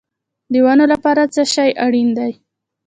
د ونو لپاره څه شی اړین دی؟